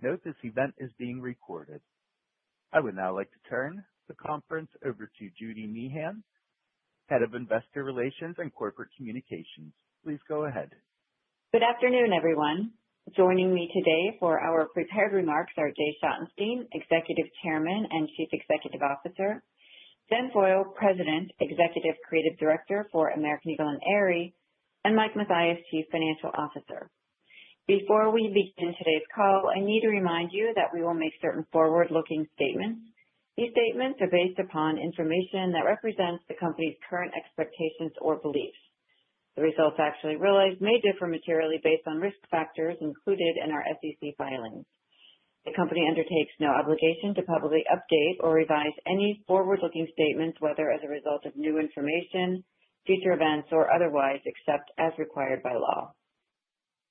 Note this event is being recorded. I would now like to turn the conference over to Judy Meehan, Head of Investor Relations and Corporate Communications. Please go ahead. Good afternoon, everyone. Joining me today for our prepared remarks are Jay Schottenstein, Executive Chairman and Chief Executive Officer; Jen Foyle, President, Executive Creative Director for American Eagle and Aerie; and Mike Mathias, Chief Financial Officer. Before we begin today's call, I need to remind you that we will make certain forward-looking statements. These statements are based upon information that represents the company's current expectations or beliefs. The results actually realized may differ materially based on risk factors included in our SEC filings. The company undertakes no obligation to publicly update or revise any forward-looking statements, whether as a result of new information, future events, or otherwise, except as required by law.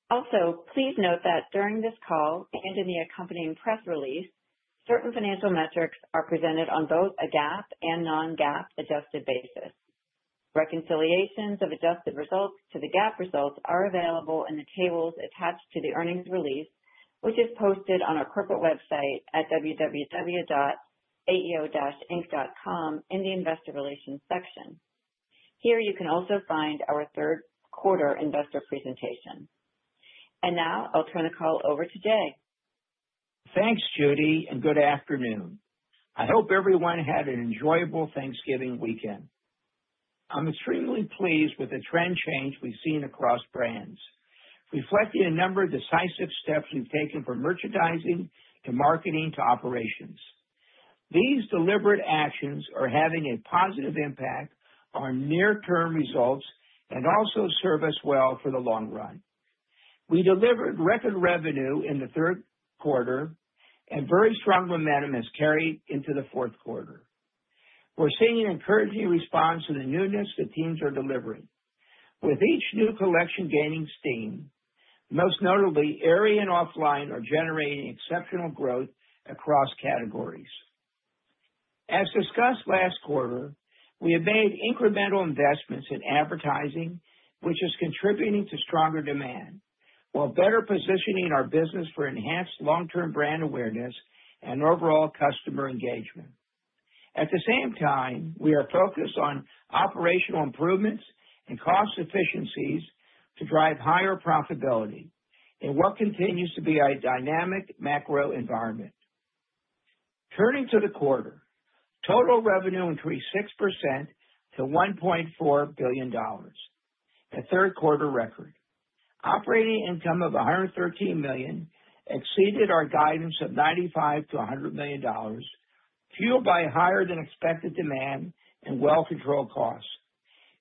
Also, please note that during this call and in the accompanying press release, certain financial metrics are presented on both a GAAP and non-GAAP adjusted basis. Reconciliations of adjusted results to the GAAP results are available in the tables attached to the earnings release, which is posted on our corporate website at www.aeo-inc.com in the Investor Relations section. Here you can also find our third quarter investor presentation. And now I'll turn the call over to Jay. Thanks, Judy, and good afternoon. I hope everyone had an enjoyable Thanksgiving weekend. I'm extremely pleased with the trend change we've seen across brands, reflecting a number of decisive steps we've taken from merchandising to marketing to operations. These deliberate actions are having a positive impact on near-term results and also serve us well for the long run. We delivered record revenue in the third quarter, and very strong momentum has carried into the fourth quarter. We're seeing an encouraging response to the newness that teams are delivering. With each new collection gaining steam, most notably, Aerie and OFFLINE are generating exceptional growth across categories. As discussed last quarter, we have made incremental investments in advertising, which is contributing to stronger demand, while better positioning our business for enhanced long-term brand awareness and overall customer engagement. At the same time, we are focused on operational improvements and cost efficiencies to drive higher profitability in what continues to be a dynamic macro environment. Turning to the quarter, total revenue increased 6% to $1.4 billion, a third quarter record. Operating income of $113 million exceeded our guidance of $95 million-$100 million, fueled by higher-than-expected demand and well-controlled costs.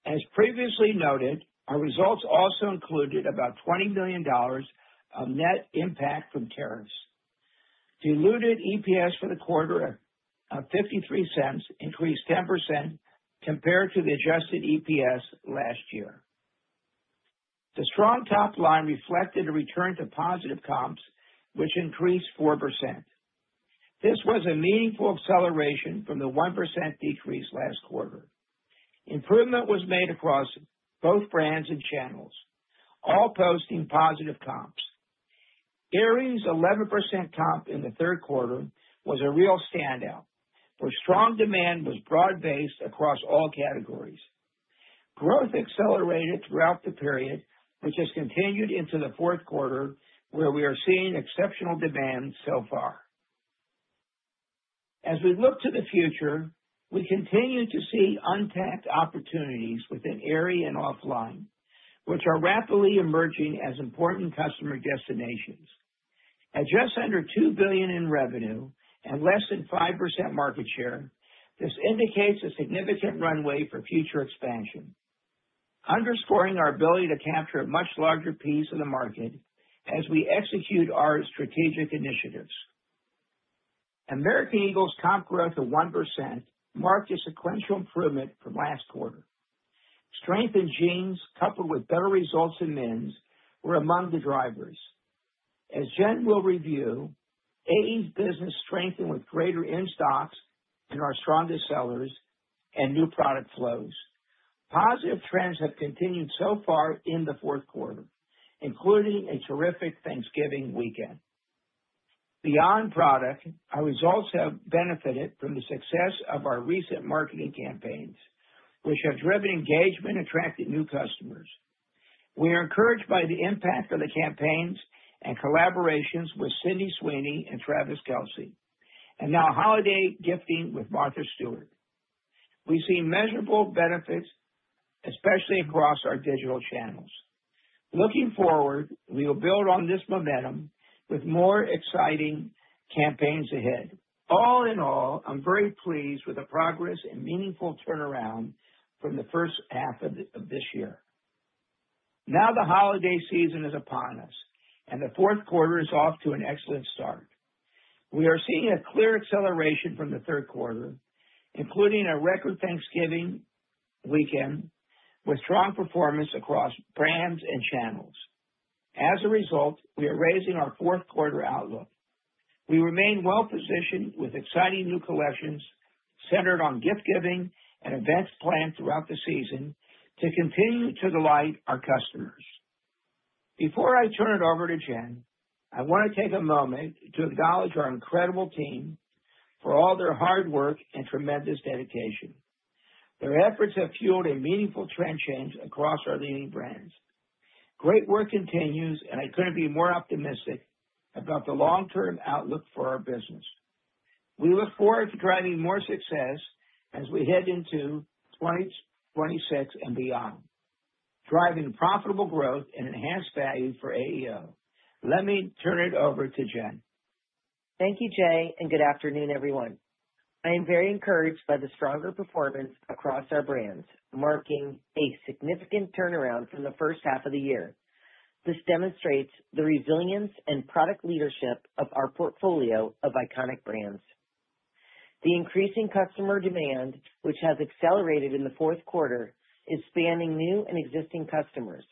As previously noted, our results also included about $20 million of net impact from tariffs. Diluted EPS for the quarter of $0.53 increased 10% compared to the adjusted EPS last year. The strong top line reflected a return to positive comps, which increased 4%. This was a meaningful acceleration from the 1% decrease last quarter. Improvement was made across both brands and channels, all posting positive comps. Aerie's 11% comp in the third quarter was a real standout, where strong demand was broad-based across all categories. Growth accelerated throughout the period, which has continued into the fourth quarter, where we are seeing exceptional demand so far. As we look to the future, we continue to see untapped opportunities within Aerie and OFFLINE, which are rapidly emerging as important customer destinations. At just under $2 billion in revenue and less than 5% market share, this indicates a significant runway for future expansion, underscoring our ability to capture a much larger piece of the market as we execute our strategic initiatives. American Eagle's comp growth of 1% marked a sequential improvement from last quarter. Strength in jeans coupled with better results in men's were among the drivers. As Jen will review, Aerie's business strengthened with greater in-stocks and our strongest sellers and new product flows. Positive trends have continued so far in the fourth quarter, including a terrific Thanksgiving weekend. Beyond product, our results have benefited from the success of our recent marketing campaigns, which have driven engagement and attracted new customers. We are encouraged by the impact of the campaigns and collaborations with Sydney Sweeney and Travis Kelce, and now holiday gifting with Martha Stewart. We see measurable benefits, especially across our digital channels. Looking forward, we will build on this momentum with more exciting campaigns ahead. All in all, I'm very pleased with the progress and meaningful turnaround from the first half of this year. Now the holiday season is upon us, and the fourth quarter is off to an excellent start. We are seeing a clear acceleration from the third quarter, including a record Thanksgiving weekend with strong performance across brands and channels. As a result, we are raising our fourth quarter outlook. We remain well-positioned with exciting new collections centered on gift-giving and events planned throughout the season to continue to delight our customers. Before I turn it over to Jen, I want to take a moment to acknowledge our incredible team for all their hard work and tremendous dedication. Their efforts have fueled a meaningful trend change across our leading brands. Great work continues, and I couldn't be more optimistic about the long-term outlook for our business. We look forward to driving more success as we head into 2026 and beyond, driving profitable growth and enhanced value for AEO. Let me turn it over to Jen. Thank you, Jay, and good afternoon, everyone. I am very encouraged by the stronger performance across our brands, marking a significant turnaround from the first half of the year. This demonstrates the resilience and product leadership of our portfolio of iconic brands. The increasing customer demand, which has accelerated in the fourth quarter, is spanning new and existing customers,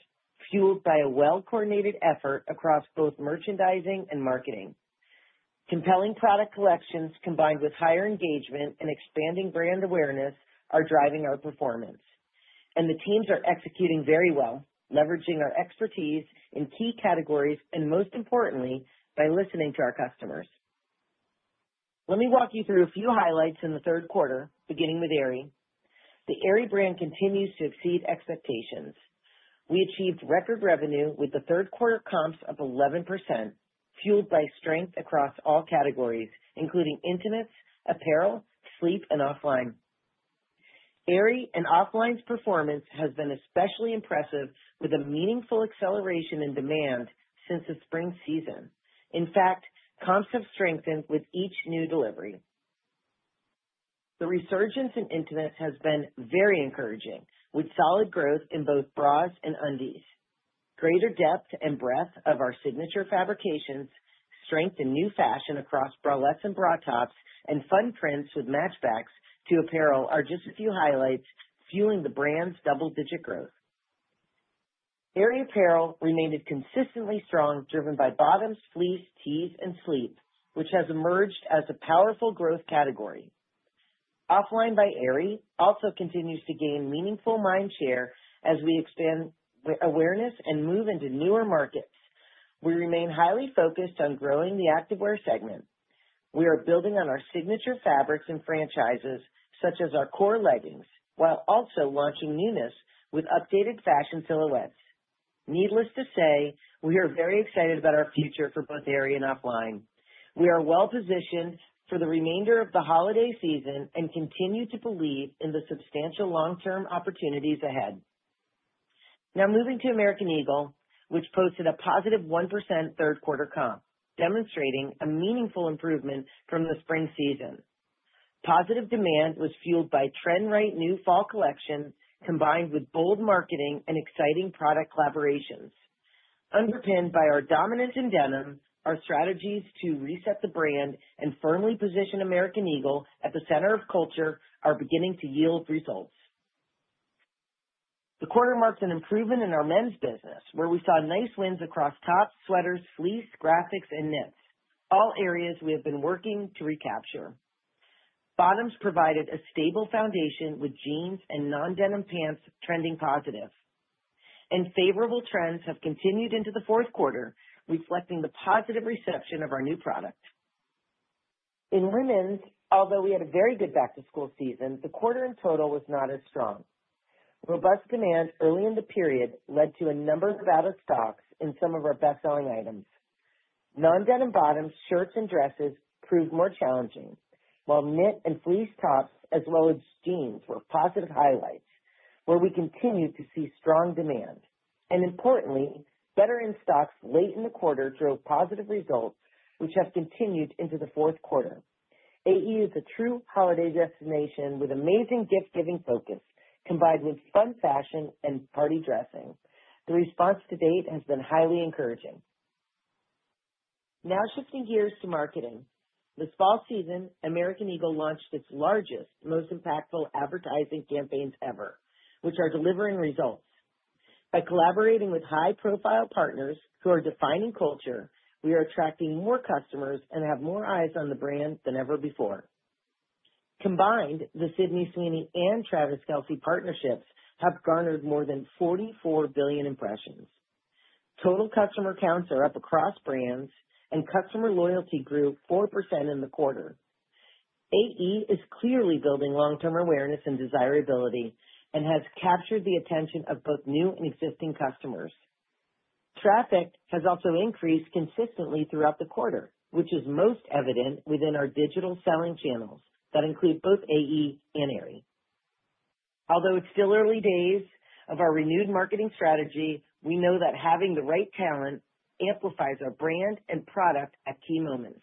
fueled by a well-coordinated effort across both merchandising and marketing. Compelling product collections combined with higher engagement and expanding brand awareness are driving our performance, and the teams are executing very well, leveraging our expertise in key categories and, most importantly, by listening to our customers. Let me walk you through a few highlights in the third quarter, beginning with Aerie. The Aerie brand continues to exceed expectations. We achieved record revenue with the third quarter comps of 11%, fueled by strength across all categories, including intimates, apparel, sleep, and OFFLINE. Aerie and OFFLINE's performance has been especially impressive, with a meaningful acceleration in demand since the spring season. In fact, comps have strengthened with each new delivery. The resurgence in intimates has been very encouraging, with solid growth in both bras and undies. Greater depth and breadth of our signature fabrications, strength in new fashion across bralettes and bra tops, and fun prints with matchbacks to apparel are just a few highlights, fueling the brand's double-digit growth. Aerie apparel remained consistently strong, driven by bottoms, fleece, tees, and sleep, which has emerged as a powerful growth category. OFFLINE by Aerie also continues to gain meaningful mind share as we expand awareness and move into newer markets. We remain highly focused on growing the activewear segment. We are building on our signature fabrics and franchises, such as our core leggings, while also launching newness with updated fashion silhouettes. Needless to say, we are very excited about our future for both Aerie and OFFLINE. We are well-positioned for the remainder of the holiday season and continue to believe in the substantial long-term opportunities ahead. Now moving to American Eagle, which posted a positive 1% third quarter comp, demonstrating a meaningful improvement from the spring season. Positive demand was fueled by trend-right new fall collections combined with bold marketing and exciting product collaborations. Underpinned by our dominant denim, our strategies to reset the brand and firmly position American Eagle at the center of culture are beginning to yield results. The quarter marked an improvement in our men's business, where we saw nice wins across tops, sweaters, fleece, graphics, and knits, all areas we have been working to recapture. Bottoms provided a stable foundation, with jeans and non-denim pants trending positive. And favorable trends have continued into the fourth quarter, reflecting the positive reception of our new product. In women's, although we had a very good back-to-school season, the quarter in total was not as strong. Robust demand early in the period led to a number of out-of-stocks in some of our best-selling items. Non-denim bottoms, shirts, and dresses proved more challenging, while knit and fleece tops, as well as jeans, were positive highlights, where we continue to see strong demand. And importantly, better in-stocks late in the quarter drove positive results, which have continued into the fourth quarter. Aerie is a true holiday destination with amazing gift-giving focus, combined with fun fashion and party dressing. The response to date has been highly encouraging. Now shifting gears to marketing, this fall season, American Eagle launched its largest, most impactful advertising campaigns ever, which are delivering results. By collaborating with high-profile partners who are defining culture, we are attracting more customers and have more eyes on the brand than ever before. Combined, the Sydney Sweeney and Travis Kelce partnerships have garnered more than 44 billion impressions. Total customer counts are up across brands, and customer loyalty grew 4% in the quarter. Aerie is clearly building long-term awareness and desirability and has captured the attention of both new and existing customers. Traffic has also increased consistently throughout the quarter, which is most evident within our digital selling channels that include both AE and Aerie. Although it's still early days of our renewed marketing strategy, we know that having the right talent amplifies our brand and product at key moments.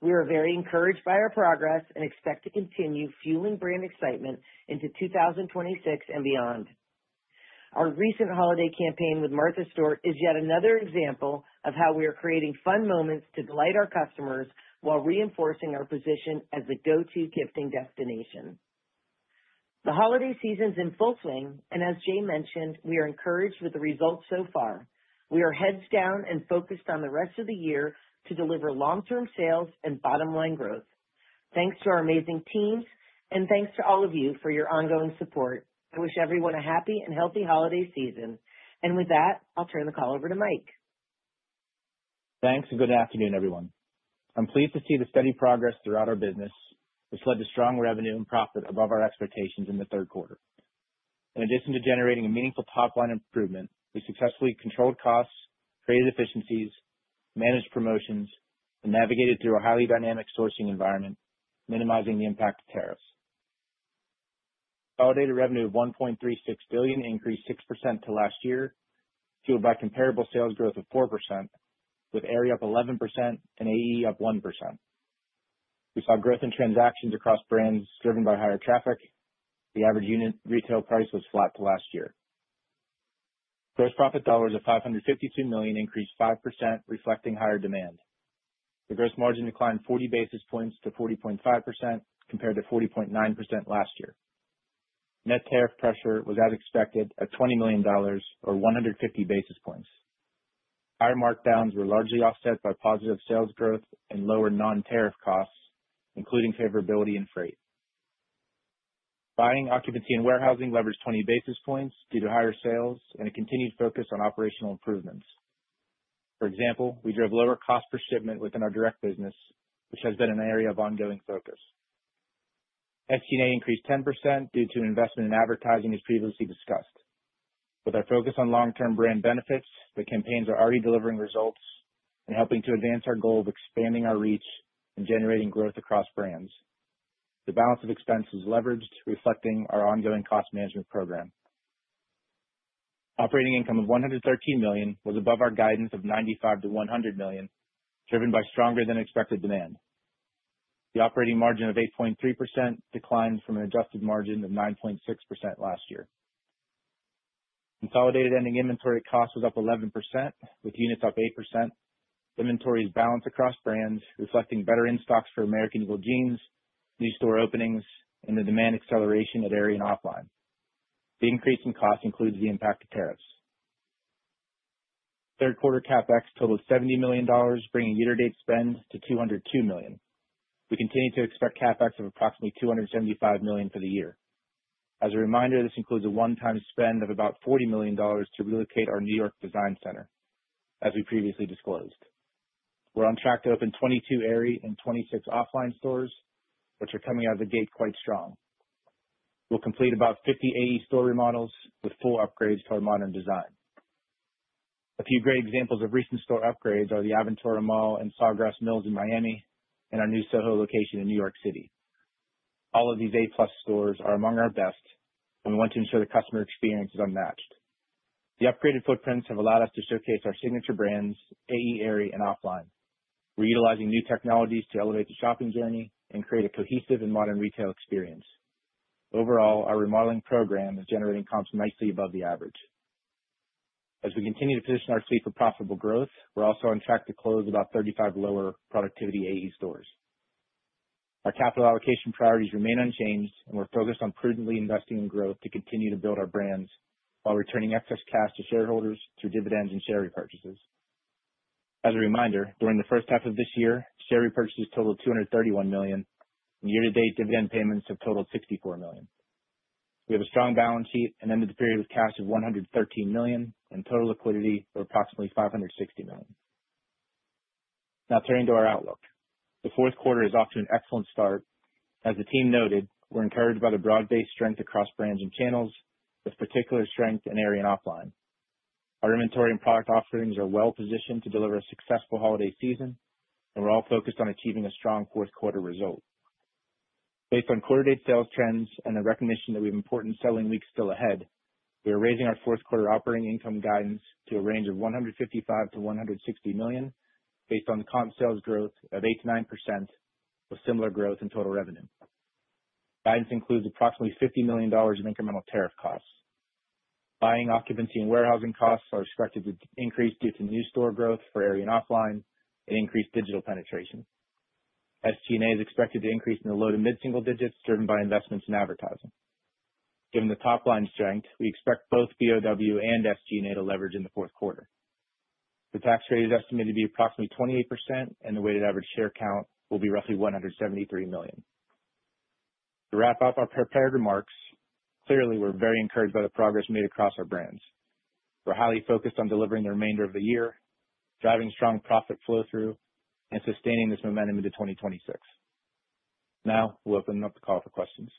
We are very encouraged by our progress and expect to continue fueling brand excitement into 2026 and beyond. Our recent holiday campaign with Martha Stewart is yet another example of how we are creating fun moments to delight our customers while reinforcing our position as the go-to gifting destination. The holiday season's in full swing, and as Jay mentioned, we are encouraged with the results so far. We are heads down and focused on the rest of the year to deliver long-term sales and bottom-line growth. Thanks to our amazing teams, and thanks to all of you for your ongoing support. I wish everyone a happy and healthy holiday season, and with that, I'll turn the call over to Mike. Thanks, and good afternoon, everyone. I'm pleased to see the steady progress throughout our business, which led to strong revenue and profit above our expectations in the third quarter. In addition to generating a meaningful top-line improvement, we successfully controlled costs, created efficiencies, managed promotions, and navigated through a highly dynamic sourcing environment, minimizing the impact of tariffs. Third quarter revenue of $1.36 billion increased 6% to last year, fueled by comparable sales growth of 4%, with Aerie up 11% and AE up 1%. We saw growth in transactions across brands driven by higher traffic. The average unit retail price was flat to last year. Gross profit dollars of $552 million increased 5%, reflecting higher demand. The gross margin declined 40 basis points to 40.5%, compared to 40.9% last year. Net tariff pressure was, as expected, at $20 million, or 150 basis points. Higher markdowns were largely offset by positive sales growth and lower non-tariff costs, including favorability in freight. Buying, occupancy, and warehousing leveraged 20 basis points due to higher sales and a continued focus on operational improvements. For example, we drove lower cost per shipment within our direct business, which has been an area of ongoing focus. SG&A increased 10% due to investment in advertising, as previously discussed. With our focus on long-term brand benefits, the campaigns are already delivering results and helping to advance our goal of expanding our reach and generating growth across brands. The balance of expenses leveraged, reflecting our ongoing cost management program. Operating income of $113 million was above our guidance of $95 million-$100 million, driven by stronger-than-expected demand. The operating margin of 8.3% declined from an adjusted margin of 9.6% last year. Consolidated ending inventory cost was up 11%, with units up 8%. Inventories balanced across brands, reflecting better in-stocks for American Eagle jeans, new store openings, and the demand acceleration at Aerie and OFFLINE. The increase in cost includes the impact of tariffs. Third quarter CapEx totaled $70 million, bringing year-to-date spend to $202 million. We continue to expect CapEx of approximately $275 million for the year. As a reminder, this includes a one-time spend of about $40 million to relocate our New York Design Center, as we previously disclosed. We're on track to open 22 Aerie and 26 OFFLINE stores, which are coming out of the gate quite strong. We'll complete about 50 Aerie store remodels with full upgrades to our modern design. A few great examples of recent store upgrades are the Aventura Mall and Sawgrass Mills in Miami and our new SoHo location in New York City. All of these A-plus stores are among our best, and we want to ensure the customer experience is unmatched. The upgraded footprints have allowed us to showcase our signature brands, Aerie, and OFFLINE. We're utilizing new technologies to elevate the shopping journey and create a cohesive and modern retail experience. Overall, our remodeling program is generating comps nicely above the average. As we continue to position our fleet for profitable growth, we're also on track to close about 35 lower productivity Aerie stores. Our capital allocation priorities remain unchanged, and we're focused on prudently investing in growth to continue to build our brands while returning excess cash to shareholders through dividends and share repurchases. As a reminder, during the first half of this year, share repurchases totaled $231 million, and year-to-date dividend payments have totaled $64 million. We have a strong balance sheet and ended the period with cash of $113 million and total liquidity of approximately $560 million. Now turning to our outlook, the fourth quarter is off to an excellent start. As the team noted, we're encouraged by the broad-based strength across brands and channels, with particular strength in Aerie and OFFLINE. Our inventory and product offerings are well-positioned to deliver a successful holiday season, and we're all focused on achieving a strong fourth quarter result. Based on quarter-day sales trends and the recognition that we have important selling weeks still ahead, we are raising our fourth quarter operating income guidance to a range of $155 million-$160 million, based on comp sales growth of 8%-9%, with similar growth in total revenue. Guidance includes approximately $50 million of incremental tariff costs. Buying, occupancy, and warehousing costs are expected to increase due to new store growth for Aerie and OFFLINE and increased digital penetration. SG&A is expected to increase in the low to mid-single digits, driven by investments in advertising. Given the top-line strength, we expect both BOW and SG&A to leverage in the fourth quarter. The tax rate is estimated to be approximately 28%, and the weighted average share count will be roughly 173 million. To wrap up our prepared remarks, clearly, we're very encouraged by the progress made across our brands. We're highly focused on delivering the remainder of the year, driving strong profit flow-through, and sustaining this momentum into 2026. Now we'll open up the call for questions.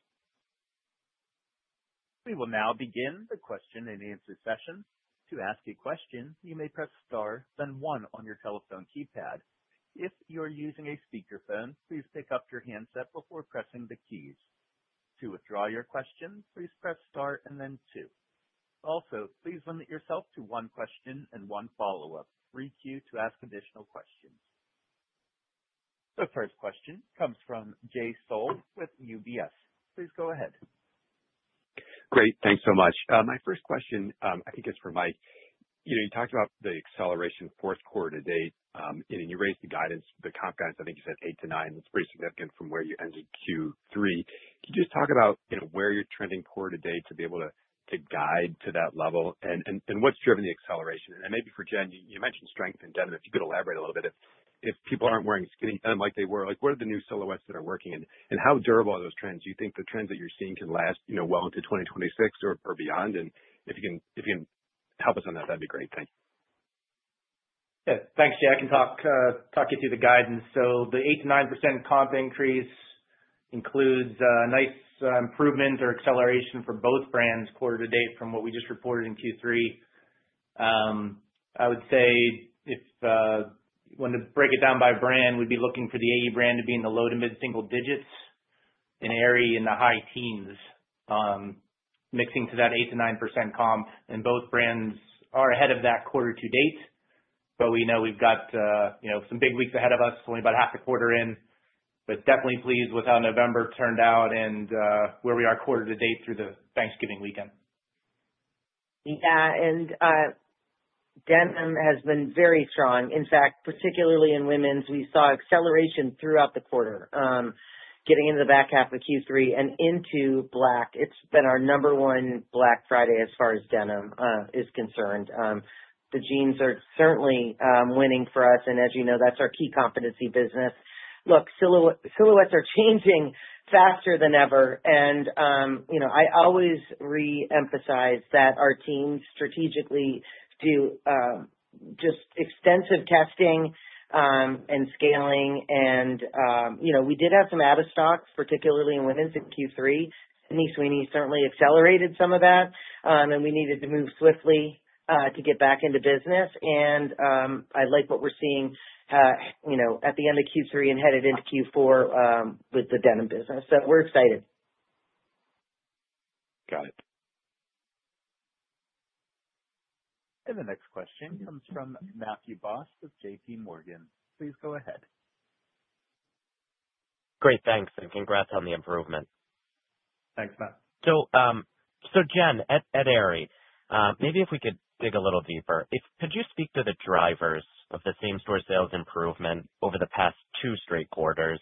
We will now begin the question-and-answer session. To ask a question, you may press star, then one on your telephone keypad. If you're using a speakerphone, please pick up your handset before pressing the keys. To withdraw your question, please press star and then two. Also, please limit yourself to one question and one follow-up. Requeue to ask additional questions. The first question comes from Jay Sole with UBS. Please go ahead. Great. Thanks so much. My first question, I think it's for Mike. You talked about the acceleration fourth quarter to date, and you raised the guidance, the comp guidance, I think you said 8%-9%. That's pretty significant from where you ended Q3. Can you just talk about where you're trending quarter to date to be able to guide to that level, and what's driven the acceleration? And maybe for Jen, you mentioned strength in denim. If you could elaborate a little bit, if people aren't wearing skinny denim like they were, what are the new silhouettes that are working, and how durable are those trends? Do you think the trends that you're seeing can last well into 2026 or beyond? And if you can help us on that, that'd be great. Thanks. Yeah. Thanks, Jay. I can talk you through the guidance. So the 8%-9% comp increase includes a nice improvement or acceleration for both brands quarter to date from what we just reported in Q3. I would say if you wanted to break it down by brand, we'd be looking for the AE brand to be in the low to mid-single digits and Aerie in the high teens, mixing to that 8%-9% comp. And both brands are ahead of that quarter to date, but we know we've got some big weeks ahead of us, so we're about half the quarter in. But definitely pleased with how November turned out and where we are quarter to date through the Thanksgiving weekend. Yeah. And denim has been very strong. In fact, particularly in women's, we saw acceleration throughout the quarter, getting into the back half of Q3 and into Black. It's been our number one Black Friday as far as denim is concerned. The jeans are certainly winning for us, and as you know, that's our key competency business. Look, silhouettes are changing faster than ever. And I always re-emphasize that our teams strategically do just extensive testing and scaling. And we did have some out-of-stocks, particularly in women's in Q3. Sydney Sweeney certainly accelerated some of that, and we needed to move swiftly to get back into business. And I like what we're seeing at the end of Q3 and headed into Q4 with the denim business. So we're excited. Got it. And the next question comes from Matthew Boss with JPMorgan. Please go ahead. Great. Thanks, and congrats on the improvement. Thanks, Matt. So, Jen at Aerie, maybe if we could dig a little deeper, could you speak to the drivers of the same-store sales improvement over the past two straight quarters?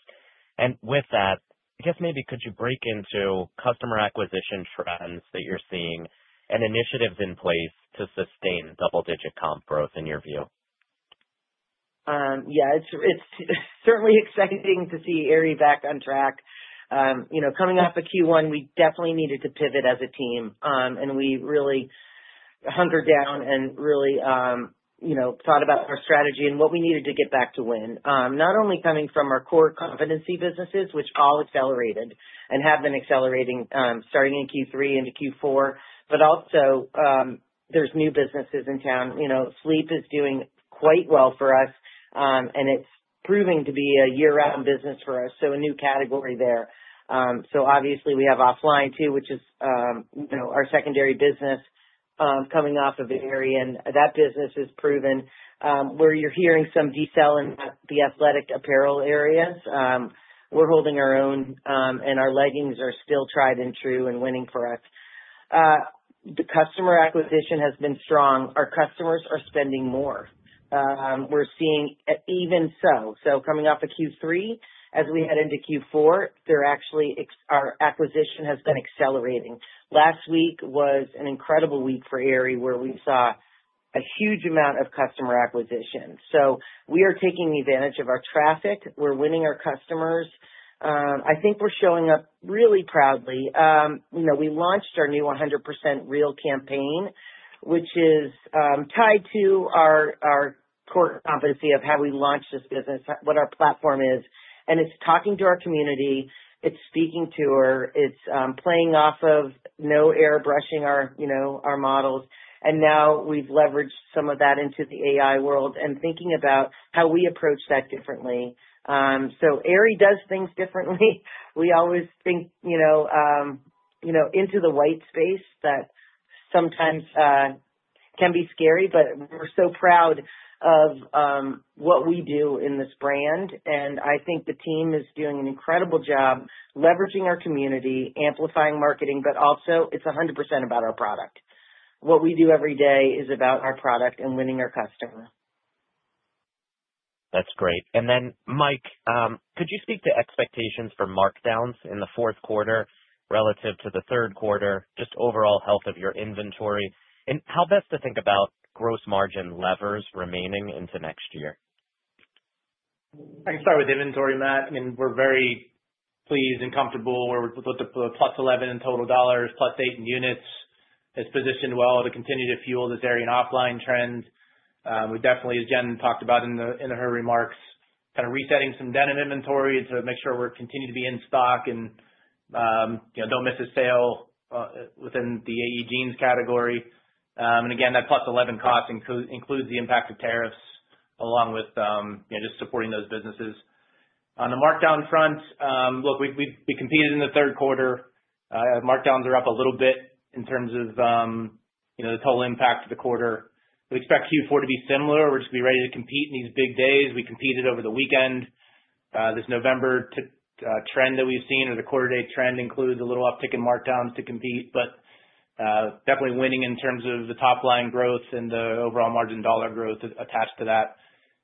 And with that, I guess maybe could you break into customer acquisition trends that you're seeing and initiatives in place to sustain double-digit comp growth in your view? Yeah. It's certainly exciting to see Aerie back on track. Coming off of Q1, we definitely needed to pivot as a team, and we really hunkered down and really thought about our strategy and what we needed to get back to win. Not only coming from our core competency businesses, which all accelerated and have been accelerating starting in Q3 into Q4, but also there's new businesses in town. Sleep is doing quite well for us, and it's proving to be a year-round business for us, so a new category there. So obviously, we have OFFLINE too, which is our secondary business coming off of Aerie, and that business is proven. Where you're hearing some deceleration in the athletic apparel areas, we're holding our own, and our leggings are still tried and true and winning for us. The customer acquisition has been strong. Our customers are spending more. We're seeing, even so. So coming off of Q3, as we head into Q4, our acquisition has been accelerating. Last week was an incredible week for Aerie, where we saw a huge amount of customer acquisition. So we are taking advantage of our traffic. We're winning our customers. I think we're showing up really proudly. We launched our new 100% Real campaign, which is tied to our core competency of how we launch this business, what our platform is. And it's talking to our community. It's speaking to her. It's playing off of no airbrushing our models. And now we've leveraged some of that into the AI world and thinking about how we approach that differently. So Aerie does things differently. We always think into the white space that sometimes can be scary, but we're so proud of what we do in this brand. I think the team is doing an incredible job leveraging our community, amplifying marketing, but also it's 100% about our product. What we do every day is about our product and winning our customer. That's great. And then, Mike, could you speak to expectations for markdowns in the fourth quarter relative to the third quarter, just overall health of your inventory, and how best to think about gross margin levers remaining into next year? I can start with inventory, Matt. I mean, we're very pleased and comfortable. We're with the +11% in total dollars, +8% in units. It's positioned well to continue to fuel this Aerie and OFFLINE trend. We definitely, as Jen talked about in her remarks, kind of resetting some denim inventory to make sure we're continuing to be in stock and don't miss a sale within the Aerie jeans category. And again, that +11% cost includes the impact of tariffs along with just supporting those businesses. On the markdown front, look, we competed in the third quarter. Markdowns are up a little bit in terms of the total impact of the quarter. We expect Q4 to be similar. We're just going to be ready to compete in these big days. We competed over the weekend. This November trend that we've seen, or the quarter-to-date trend, includes a little uptick in markdowns to compete, but definitely winning in terms of the top-line growth and the overall margin dollar growth attached to that.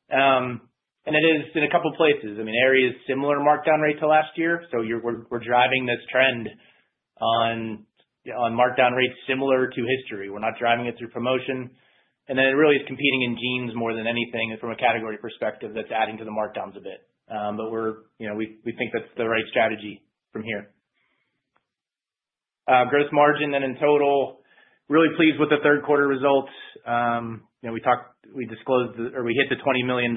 And it is in a couple of places. I mean, Aerie is similar in markdown rate to last year, so we're driving this trend on markdown rate similar to history. We're not driving it through promotion. And then it really is competing in jeans more than anything from a category perspective that's adding to the markdowns a bit. But we think that's the right strategy from here. Gross margin then in total, really pleased with the third quarter results. We disclosed or we hit the $20 million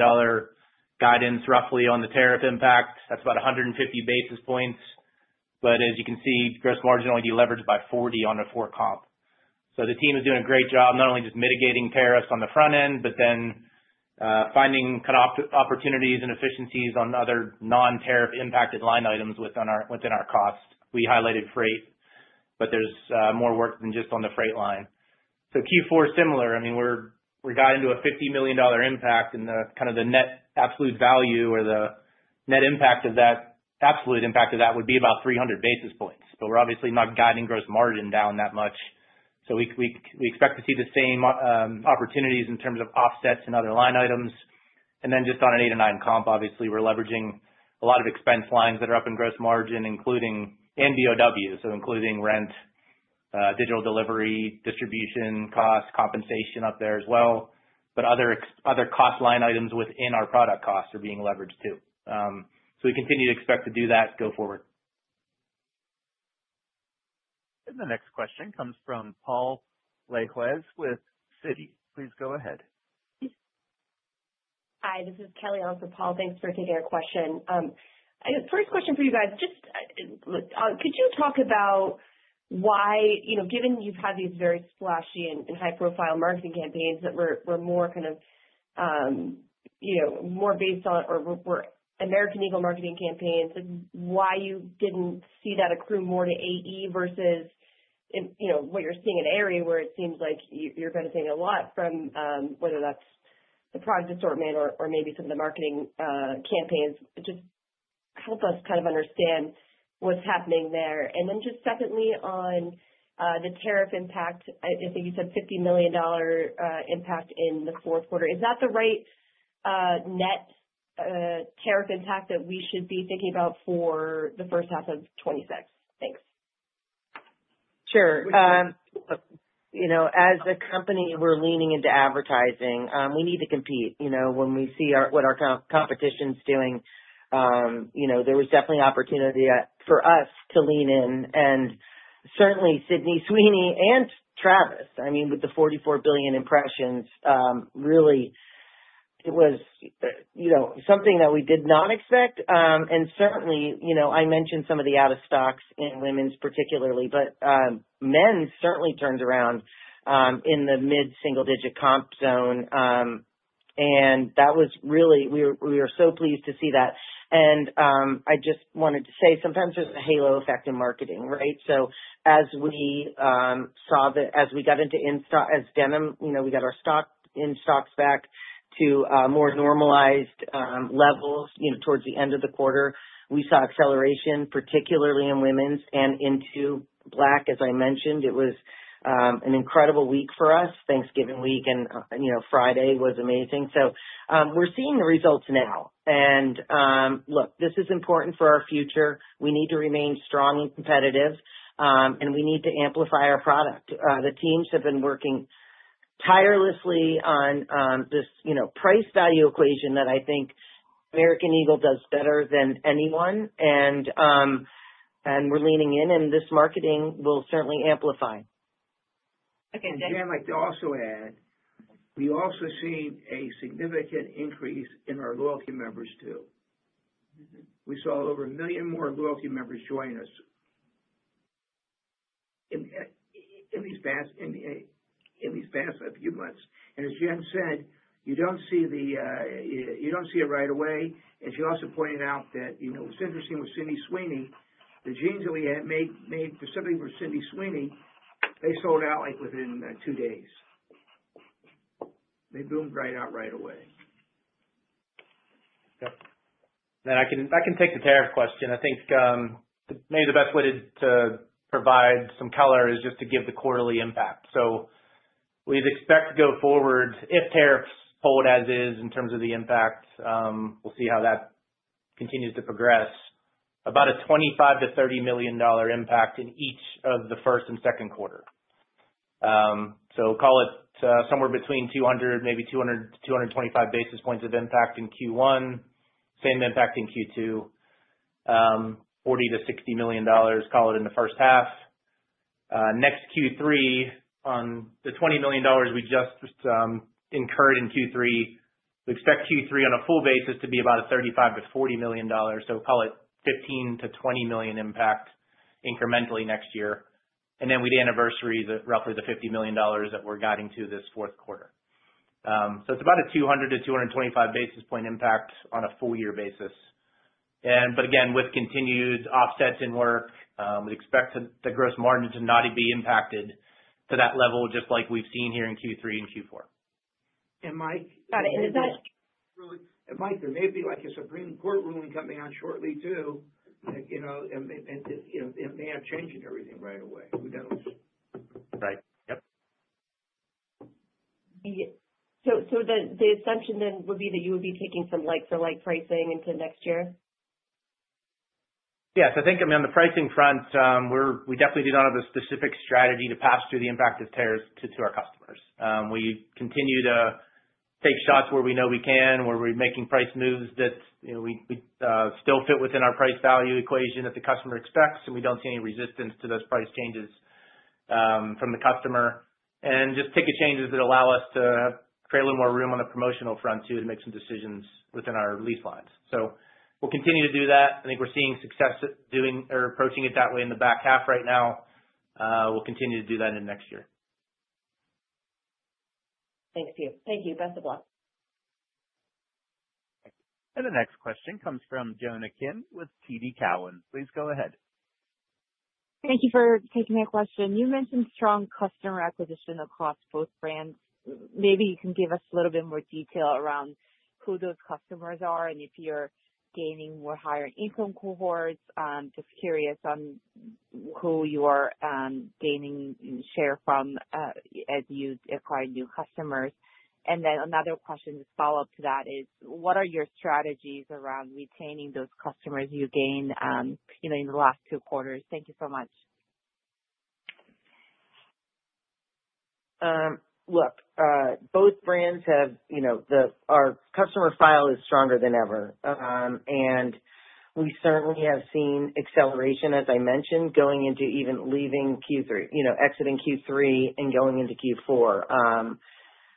guidance roughly on the tariff impact. That's about 150 basis points. But as you can see, gross margin only deleveraged by 40 on the fourth comp. So the team is doing a great job not only just mitigating tariffs on the front end, but then finding kind of opportunities and efficiencies on other non-tariff impacted line items within our cost. We highlighted freight, but there's more work than just on the freight line. So Q4 similar. I mean, we're guiding to a $50 million impact, and kind of the net absolute value or the net impact of that absolute impact of that would be about 300 basis points. But we're obviously not guiding gross margin down that much. So we expect to see the same opportunities in terms of offsets and other line items. And then just on an 8%-9% comp, obviously, we're leveraging a lot of expense lines that are up in gross margin, including BOW, so including rent, digital delivery, distribution costs, compensation up there as well. But other cost line items within our product costs are being leveraged too. So we continue to expect to do that go forward. And the next question comes from Paul Lejuez with Citi. Please go ahead. Hi. This is Kelly on for Paul. Thanks for taking our question. First question for you guys, just could you talk about why, given you've had these very splashy and high-profile marketing campaigns that were more kind of based on or were American Eagle marketing campaigns, why you didn't see that accrue more to AE versus what you're seeing in Aerie, where it seems like you're benefiting a lot from whether that's the product assortment or maybe some of the marketing campaigns. Just help us kind of understand what's happening there. And then just secondly, on the tariff impact, I think you said $50 million impact in the fourth quarter. Is that the right net tariff impact that we should be thinking about for the first half of 2026? Thanks. Sure. As a company, we're leaning into advertising. We need to compete. When we see what our competition's doing, there was definitely opportunity for us to lean in. And certainly, Sydney Sweeney and Travis, I mean, with the 44 billion impressions, really, it was something that we did not expect. And certainly, I mentioned some of the out-of-stocks in women's particularly, but men certainly turned around in the mid-single-digit comp zone. And that was really we were so pleased to see that. And I just wanted to say sometimes there's a halo effect in marketing, right? So as we saw that, as we got into in-stock, as denim, we got our in-stocks back to more normalized levels towards the end of the quarter, we saw acceleration, particularly in women's and into black. As I mentioned, it was an incredible week for us, Thanksgiving week, and Friday was amazing. So we're seeing the results now. And look, this is important for our future. We need to remain strong and competitive, and we need to amplify our product. The teams have been working tirelessly on this price value equation that I think American Eagle does better than anyone. And we're leaning in, and this marketing will certainly amplify. Okay. And then I'd like to also add, we've also seen a significant increase in our loyalty members too. We saw over a million more loyalty members join us in these past few months. And as Jen said, you don't see it right away. And she also pointed out that what's interesting with Sydney Sweeney, the jeans that we had made specifically for Sydney Sweeney, they sold out within two days. They boomed right out right away. Yep. And I can take the tariff question. I think maybe the best way to provide some color is just to give the quarterly impact. So we'd expect to go forward, if tariffs hold as is in terms of the impact, we'll see how that continues to progress, about a $25 million-$30 million impact in each of the first and second quarter. So call it somewhere between 200, maybe 200-225 basis points of impact in Q1, same impact in Q2, $40 million-$60 million, call it in the first half. Next Q3, on the $20 million we just incurred in Q3, we expect Q3 on a full basis to be about a $35 million-$40 million. So call it $15 million-$20 million impact incrementally next year. And then we'd anniversary roughly the $50 million that we're guiding to this fourth quarter. So it's about a 200-225 basis points impact on a full year basis. But again, with continued offsets in work, we expect the gross margin to not be impacted to that level, just like we've seen here in Q3 and Q4. And Mike. Got it. And is that. Mike, there may be a Supreme Court ruling coming out shortly too, and it may have changed everything right away. Who knows? Right. Yep. So the assumption then would be that you would be taking some like-for-like pricing into next year? Yeah. So I think, I mean, on the pricing front, we definitely do not have a specific strategy to pass through the impact of tariffs to our customers. We continue to take shots where we know we can, where we're making price moves that still fit within our price value equation that the customer expects, and we don't see any resistance to those price changes from the customer. And just ticket changes that allow us to create a little more room on the promotional front too to make some decisions within our price lines. So we'll continue to do that. I think we're seeing success approaching it that way in the back half right now. We'll continue to do that in next year. Thank you. Thank you. Best of luck. The next question comes from Jonna Kim with TD Cowen. Please go ahead. Thank you for taking my question. You mentioned strong customer acquisition across both brands. Maybe you can give us a little bit more detail around who those customers are and if you're gaining more higher-income cohorts. Just curious on who you are gaining share from as you acquire new customers. And then another question to follow up to that is, what are your strategies around retaining those customers you gained in the last two quarters? Thank you so much. Look, both brands, our customer file is stronger than ever, and we certainly have seen acceleration, as I mentioned, going into, even leaving Q3, exiting Q3, and going into Q4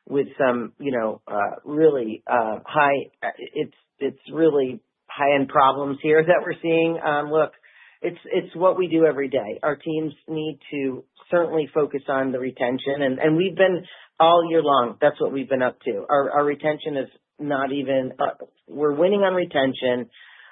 with some really high-end problems here that we're seeing. Look, it's what we do every day. Our teams need to certainly focus on the retention, and we've been all year long, that's what we've been up to. Our retention is not even. We're winning on retention.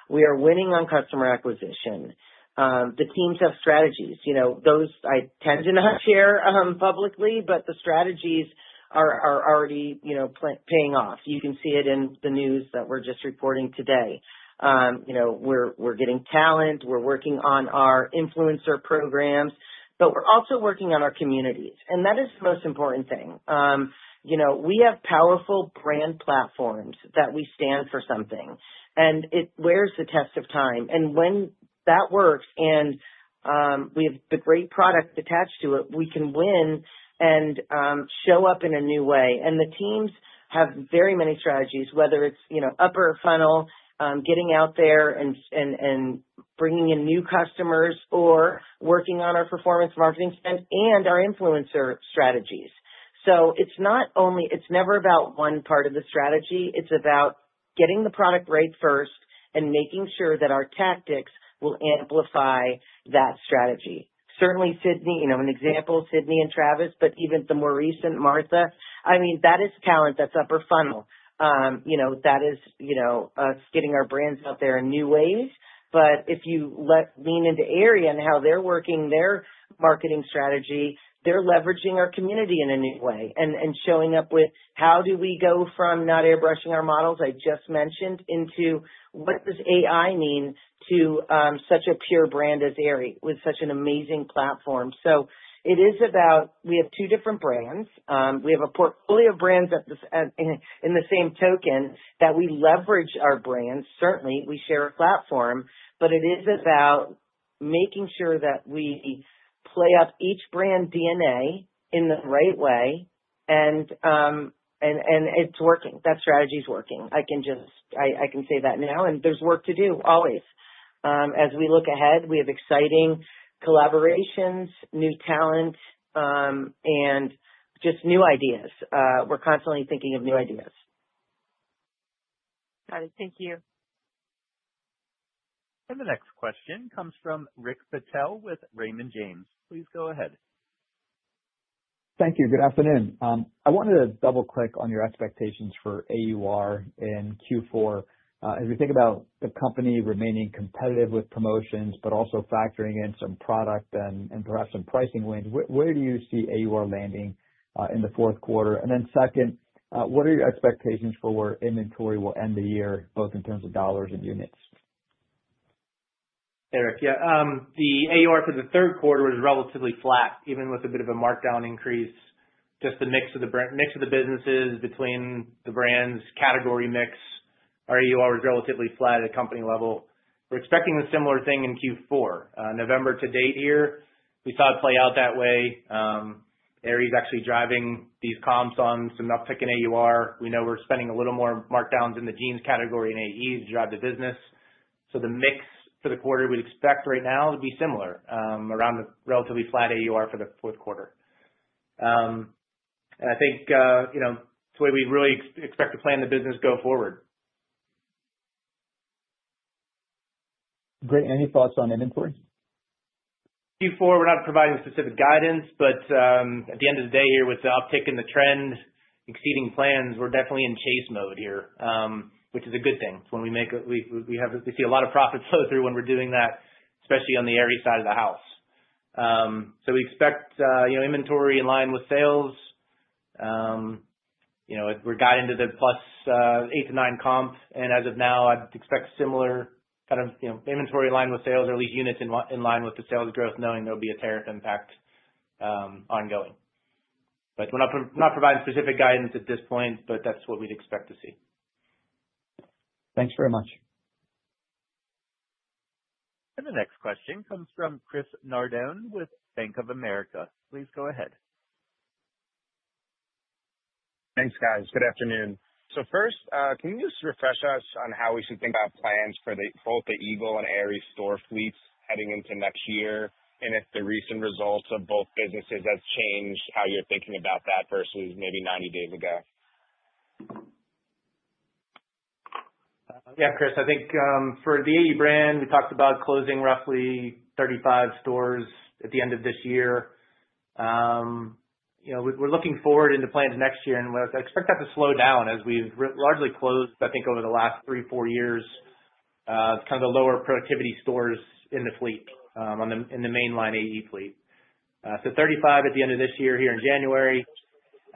We are winning on customer acquisition. The teams have strategies. Those I tend to not share publicly, but the strategies are already paying off. You can see it in the news that we're just reporting today. We're getting talent. We're working on our influencer programs, but we're also working on our communities, and that is the most important thing. We have powerful brand platforms that we stand for something. It wears the test of time. When that works and we have the great product attached to it, we can win and show up in a new way. The teams have very many strategies, whether it's upper funnel, getting out there and bringing in new customers, or working on our performance marketing spend and our influencer strategies. It's never about one part of the strategy. It's about getting the product right first and making sure that our tactics will amplify that strategy. Certainly, Sydney, an example, Sydney and Travis, but even the more recent Martha, I mean, that is talent. That's upper funnel. That is us getting our brands out there in new ways. If you lean into Aerie and how they're working their marketing strategy, they're leveraging our community in a new way and showing up with how do we go from not airbrushing our models, I just mentioned, into what does AI mean to such a pure brand as Aerie, with such an amazing platform. It is about we have two different brands. We have a portfolio of brands by the same token that we leverage our brands. Certainly, we share a platform, but it is about making sure that we play up each brand DNA in the right way. It's working. That strategy is working. I can say that now. There's work to do always. As we look ahead, we have exciting collaborations, new talent, and just new ideas. We're constantly thinking of new ideas. Got it. Thank you. The next question comes from Rick Patel with Raymond James. Please go ahead. Thank you. Good afternoon. I wanted to double-click on your expectations for AUR in Q4. As we think about the company remaining competitive with promotions, but also factoring in some product and perhaps some pricing wins, where do you see AUR landing in the fourth quarter? And then second, what are your expectations for where inventory will end the year, both in terms of dollars and units? Eric, yeah. The AUR for the third quarter was relatively flat, even with a bit of a markdown increase. Just the mix of the businesses between the brands, category mix, our AUR was relatively flat at a company level. We're expecting a similar thing in Q4. November to date here, we saw it play out that way. Aerie is actually driving these comps on some uptick in AUR. We know we're spending a little more markdowns in the jeans category and AEs to drive the business. So the mix for the quarter we'd expect right now would be similar, around a relatively flat AUR for the fourth quarter. And I think it's the way we really expect to plan the business go forward. Great. Any thoughts on inventory? Q4, we're not providing specific guidance, but at the end of the day here, with the uptick in the trend exceeding plans, we're definitely in chase mode here, which is a good thing. It's when we make it we see a lot of profits flow through when we're doing that, especially on the Aerie side of the house. So we expect inventory in line with sales. We're guiding to the +8% to +9% comps. And as of now, I'd expect similar kind of inventory in line with sales, or at least units in line with the sales growth, knowing there'll be a tariff impact ongoing. But we're not providing specific guidance at this point, but that's what we'd expect to see. Thanks very much. And the next question comes from Chris Nardone with Bank of America. Please go ahead. Thanks, guys. Good afternoon. So first, can you just refresh us on how we should think about plans for both the Eagle and Aerie store fleets heading into next year? And if the recent results of both businesses have changed how you're thinking about that versus maybe 90 days ago? Yeah, Chris, I think for the AE brand, we talked about closing roughly 35 stores at the end of this year. We're looking forward into plans next year, and I expect that to slow down as we've largely closed, I think, over the last three, four years, kind of the lower productivity stores in the fleet, in the mainline AE fleet. So 35 at the end of this year here in January.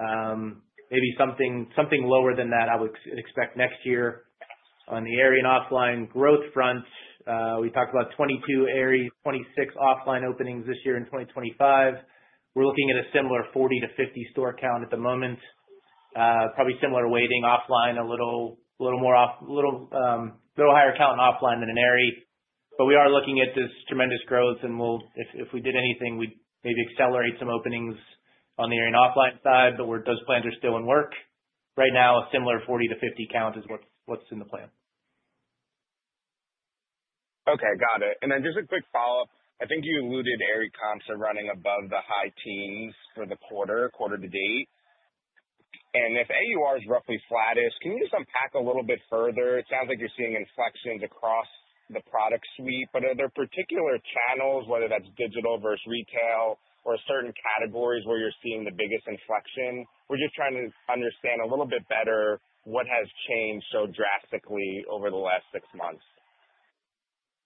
Maybe something lower than that I would expect next year. On the Aerie and OFFLINE growth front, we talked about 22 Aerie, 26 OFFLINE openings this year in 2025. We're looking at a similar 40 to 50 store count at the moment. Probably similar weighting OFFLINE, a little more off, a little higher count OFFLINE than in Aerie. But we are looking at this tremendous growth, and if we did anything, we'd maybe accelerate some openings on the Aerie and OFFLINE side, but those plans are still in the works. Right now, a similar 40-50 count is what's in the plan. Okay. Got it. And then just a quick follow-up. I think you alluded to Aerie comps are running above the high teens for the quarter, quarter to date. And if AUR is roughly flat, can you just unpack a little bit further? It sounds like you're seeing inflections across the product suite, but are there particular channels, whether that's digital versus retail, or certain categories where you're seeing the biggest inflection? We're just trying to understand a little bit better what has changed so drastically over the last six months.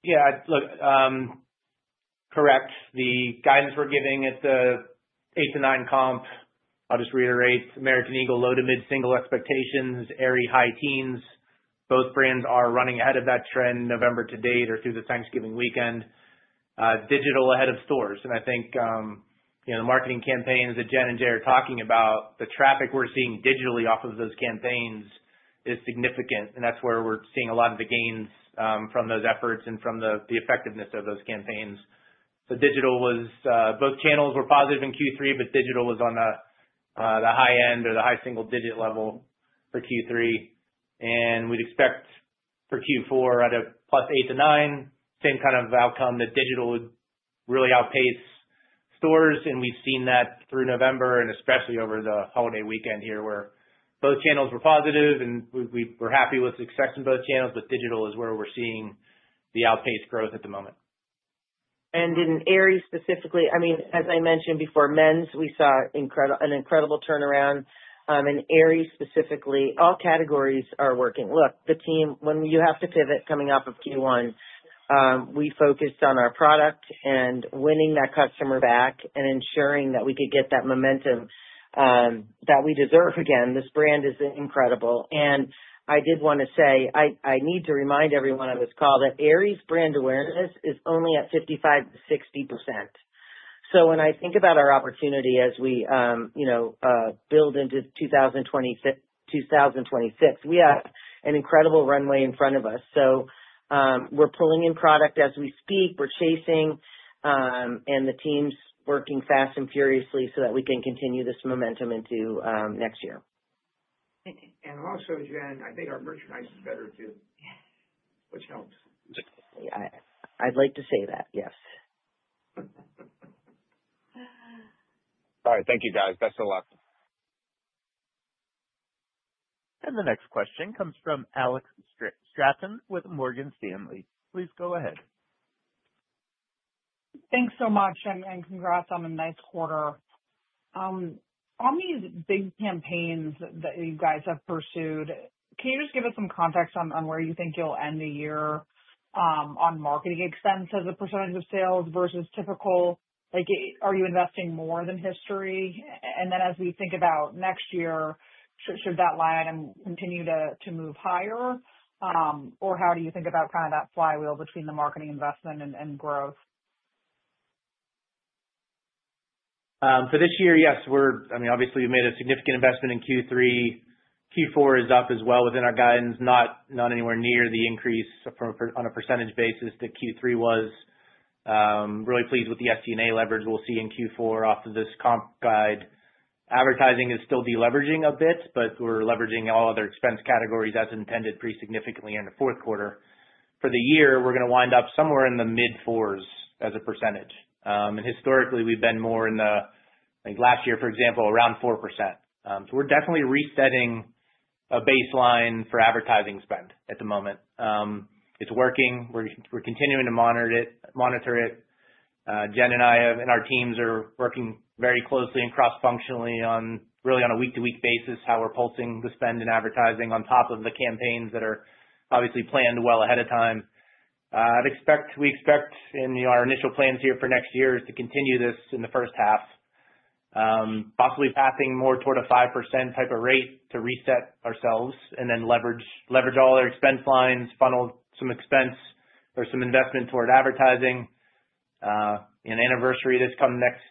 Yeah. Look, correct. The guidance we're giving at the eight to nine comps, I'll just reiterate, American Eagle low to mid-single expectations, Aerie high teens. Both brands are running ahead of that trend November to date or through the Thanksgiving weekend. Digital ahead of stores. And I think the marketing campaigns that Jen and Jay are talking about, the traffic we're seeing digitally off of those campaigns is significant. And that's where we're seeing a lot of the gains from those efforts and from the effectiveness of those campaigns. So, both channels were positive in Q3, but digital was on the high end or the high single-digit level for Q3. And we'd expect for Q4 at a plus eight to nine, same kind of outcome that digital would really outpace stores. We've seen that through November, and especially over the holiday weekend here where both channels were positive, and we were happy with success in both channels, but digital is where we're seeing the outpaced growth at the moment. In Aerie specifically, I mean, as I mentioned before, men's we saw an incredible turnaround. In Aerie specifically, all categories are working. Look, the team, when you have to pivot coming off of Q1, we focused on our product and winning that customer back and ensuring that we could get that momentum that we deserve again. This brand is incredible. And I did want to say, I need to remind everyone on this call that Aerie's brand awareness is only at 55%-60%. So when I think about our opportunity as we build into 2026, we have an incredible runway in front of us. So we're pulling in product as we speak. We're chasing, and the team's working fast and furiously so that we can continue this momentum into next year. Also, Jen, I think our merchandise is better too, which helps. I'd like to say that, yes. All right. Thank you, guys. Best of luck. And the next question comes from Alex Straton with Morgan Stanley. Please go ahead. Thanks so much and congrats on a nice quarter. On these big campaigns that you guys have pursued, can you just give us some context on where you think you'll end the year on marketing expense as a percentage of sales versus typical? Are you investing more than history? And then as we think about next year, should that line item continue to move higher? Or how do you think about kind of that flywheel between the marketing investment and growth? For this year, yes. I mean, obviously, we've made a significant investment in Q3. Q4 is up as well within our guidance, not anywhere near the increase on a percentage basis that Q3 was. Really pleased with the SG&A leverage we'll see in Q4 off of this comp guide. Advertising is still deleveraging a bit, but we're leveraging all other expense categories as intended pretty significantly in the fourth quarter. For the year, we're going to wind up somewhere in the mid-fours as a percentage. And historically, we've been more in the, I think, last year, for example, around 4%. So we're definitely resetting a baseline for advertising spend at the moment. It's working. We're continuing to monitor it. Jen and I and our teams are working very closely and cross-functionally, really on a week-to-week basis, how we're pulsing the spend and advertising on top of the campaigns that are obviously planned well ahead of time. We expect in our initial plans here for next year is to continue this in the first half, possibly passing more toward a 5% type of rate to reset ourselves and then leverage all our expense lines, funnel some expense or some investment toward advertising. An anniversary this coming next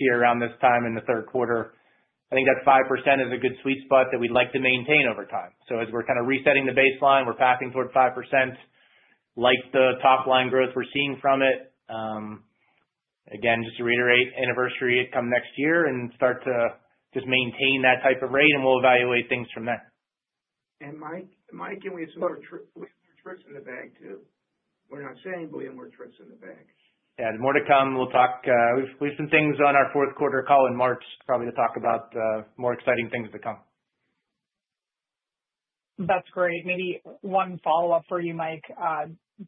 year around this time in the third quarter. I think that 5% is a good sweet spot that we'd like to maintain over time. So as we're kind of resetting the baseline, we're passing toward 5%, like the top-line growth we're seeing from it. Again, just to reiterate, anniversary comps come next year and start to just maintain that type of rate, and we'll evaluate things from there. Mike, we have some more tricks in the bag too. We're not saying we have more tricks in the bag. Yeah. More to come. We'll talk. We've seen things on our fourth quarter call in March, probably to talk about more exciting things to come. That's great. Maybe one follow-up for you, Mike.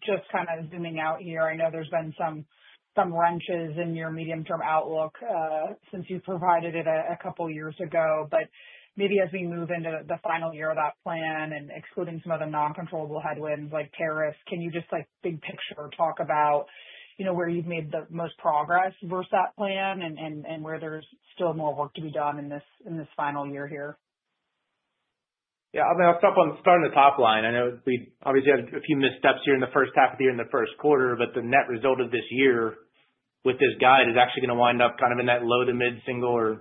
Just kind of zooming out here. I know there's been some wrenches in your medium-term outlook since you provided it a couple of years ago. But maybe as we move into the final year of that plan and excluding some of the non-controllable headwinds like tariffs, can you just big picture talk about where you've made the most progress versus that plan and where there's still more work to be done in this final year here? Yeah. I'll start on the top line. I know we obviously had a few missteps here in the first half of the year and the first quarter, but the net result of this year with this guide is actually going to wind up kind of in that low to mid-single or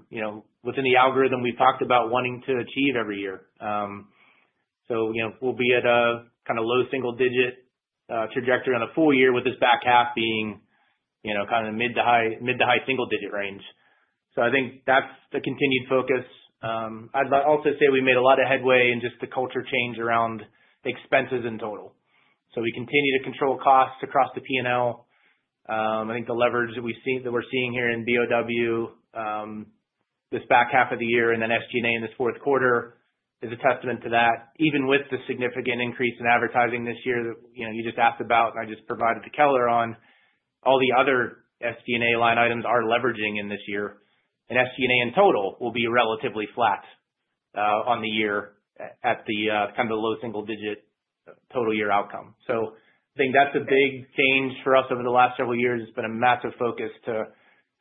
within the algorithm we've talked about wanting to achieve every year. So we'll be at a kind of low single-digit trajectory on a full year with this back half being kind of mid to high single-digit range. So I think that's the continued focus. I'd also say we made a lot of headway in just the culture change around expenses in total. So we continue to control costs across the P&L. I think the leverage that we're seeing here in BOW this back half of the year and then SG&A in this fourth quarter is a testament to that. Even with the significant increase in advertising this year that you just asked about, and I just provided to Kelly on, all the other SG&A line items are leveraging in this year, and SG&A in total will be relatively flat on the year at the kind of low single-digit total year outcome, so I think that's a big change for us over the last several years. It's been a massive focus to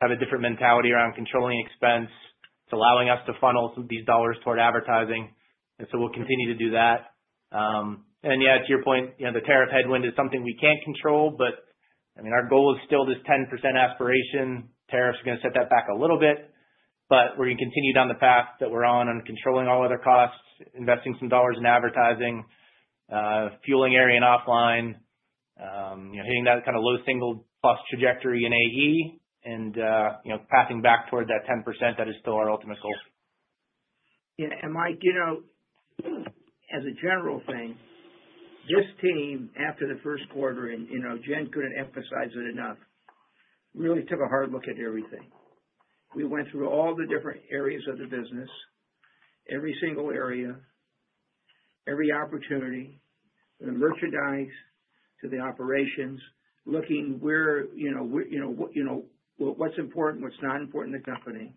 have a different mentality around controlling expense. It's allowing us to funnel some of these dollars toward advertising, and so we'll continue to do that, and yeah, to your point, the tariff headwind is something we can't control, but I mean, our goal is still this 10% aspiration. Tariffs are going to set that back a little bit, but we're going to continue down the path that we're on, on controlling all other costs, investing some dollars in advertising, fueling Aerie and OFFLINE, hitting that kind of low single plus trajectory in AE, and passing back toward that 10% that is still our ultimate goal. Yeah. And Mike, as a general thing, this team, after the first quarter, and Jen couldn't emphasize it enough, really took a hard look at everything. We went through all the different areas of the business, every single area, every opportunity, from the merchandise to the operations, looking where what's important, what's not important to the company.